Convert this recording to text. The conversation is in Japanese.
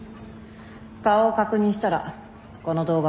顔を確認したらこの動画は消去する。